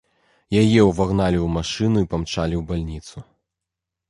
Яе ўвагналі ў машыну і памчалі ў бальніцу.